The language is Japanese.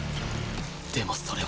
でもそれは